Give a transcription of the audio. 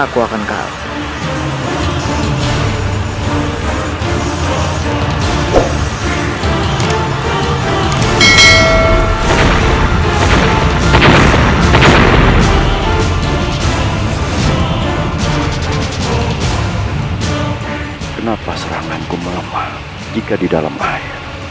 kenapa seranganku melemah jika di dalam air